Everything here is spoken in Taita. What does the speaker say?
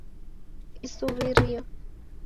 Isuwirio